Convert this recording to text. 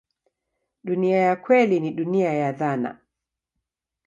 Dunia ya kweli ni dunia ya dhana.